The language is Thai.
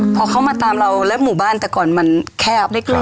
พอเขามาตามเราและหมู่บ้านแต่ก่อนมันแคบเล็ก